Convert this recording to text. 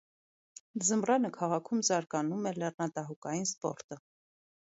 Ձմռանը քաղաքում զարգանում է լեռնադահուկային սպորտը։